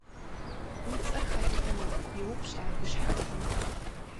– Уи цӀэр хэт хъуну? – йоупщӀ ар гущхьэӀыгъым.